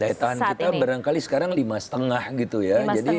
daya tahan kita barangkali sekarang lima lima gitu ya